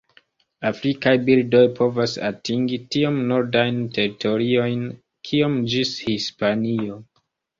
Afrikaj birdoj povas atingi tiom nordajn teritoriojn kiom ĝis Hispanio.